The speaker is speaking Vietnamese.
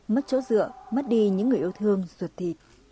mất chỗ dựa mất đi những người yêu thương ruột thịt